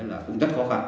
là cũng rất khó khăn